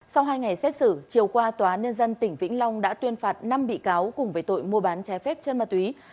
sau hai ngày xét xử chiều qua tòa án nhân dân tỉnh vĩnh long đã tuyên phạt năm bị cáo cùng với tội mua bán trái phép chân ma túy